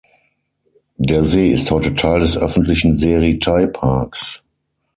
Der See ist heute Teil des öffentlichen Seri-Thai-Parks.